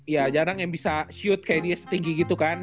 ya jarang yang bisa shoote kayak dia setinggi gitu kan